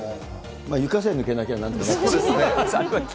床さえ抜けなきゃ、なんとかそうですね。